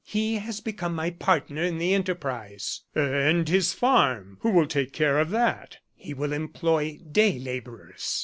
"He has become my partner in the enterprise." "And his farm who will take care of that?" "He will employ day laborers."